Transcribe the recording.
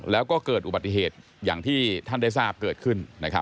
แล้วก็เกิดอุบัติเหตุอย่างที่ท่านได้ทราบเกิดขึ้น